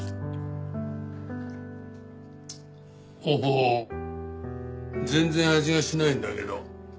ほほう全然味がしないんだけど。